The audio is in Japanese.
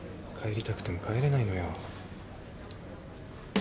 帰りたくても帰れないのよ。